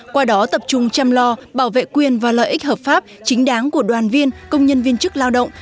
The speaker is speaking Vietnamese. qua đó tập trung chăm lo bảo vệ quyền và lợi ích hợp pháp chính đáng của đoàn viên công nhân viên chức lao động